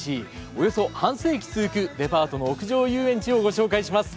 およそ半世紀続くデパートの屋上遊園地を御紹介します。